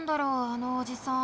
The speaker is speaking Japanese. あのおじさん。